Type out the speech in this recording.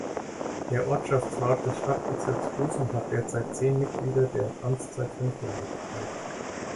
Der Ortschaftsrat des Stadtbezirks Hofen hat derzeit zehn Mitglieder, deren Amtszeit fünf Jahre beträgt.